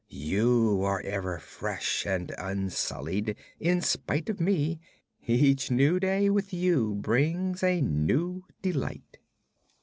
You are ever fresh and unsullied, in spite of me. Each new day with you brings a new delight.